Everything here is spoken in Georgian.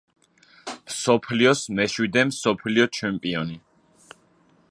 მსოფლიოს მეშვიდე მსოფლიო ჩემპიონი.